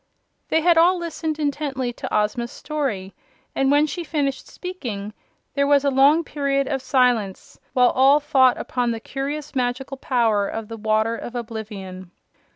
They had all listened intently to Ozma's story, and when she finished speaking there was a long period of silence while all thought upon the curious magical power of the Water of Oblivion.